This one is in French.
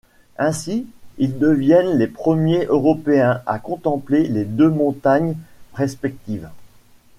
Ainsi ils deviennent les premiers Européens à contempler les deux montagnes respectives.